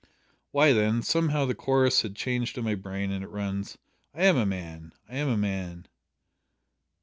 "Why, then, somehow the chorus has changed in my brain and it runs `I am a man! I am a man!'"